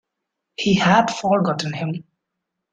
He had forgotten him.